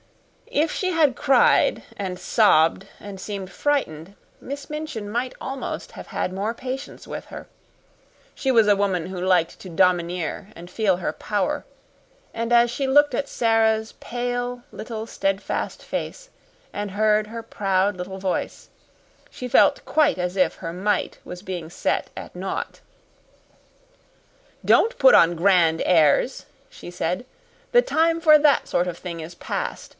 If she had cried and sobbed and seemed frightened, Miss Minchin might almost have had more patience with her. She was a woman who liked to domineer and feel her power, and as she looked at Sara's pale little steadfast face and heard her proud little voice, she quite felt as if her might was being set at naught. "Don't put on grand airs," she said. "The time for that sort of thing is past.